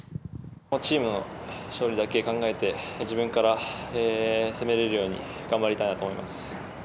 チームの勝利だけ考えて、自分から攻めれるように、頑張りたいなと思います。